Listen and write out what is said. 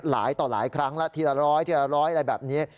หลายต่อหลายครั้งละทีละร้อยทีละร้อยอะไรแบบนี้